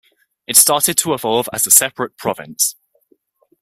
It started to evolve as a separate province.